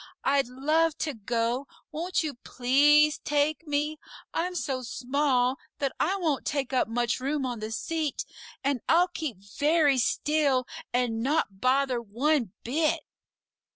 I'd love to go; won't you PLEASE take me? I'm so small that I won't take up much room on the seat, and I'll keep very still and not bother one bit!"